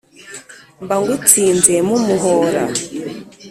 mba ngutsinze mu muhoora